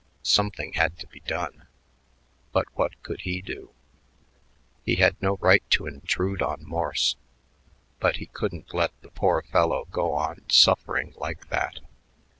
Something had to be done. But what could he do? He had no right to intrude on Morse, but he couldn't let the poor fellow go on suffering like that.